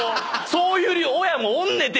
そういう親もおんねんて。